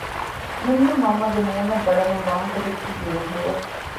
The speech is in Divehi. ޔުމްނު މަންމަގެ މޫނަށް ބަލަމުން ވާހަކަދެއްކީ ބިރުން ހުރޭ